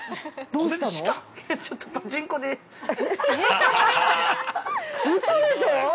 ◆うそでしょう。